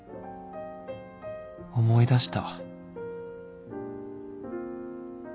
思い出した